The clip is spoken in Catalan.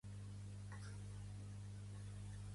Em mostres l'última hora segons "El Singular Digital"?